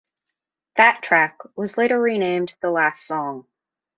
That track was later renamed "The Last Song".